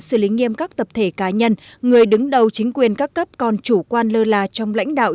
xử lý nghiêm các tập thể cá nhân người đứng đầu chính quyền các cấp còn chủ quan lơ là trong lãnh đạo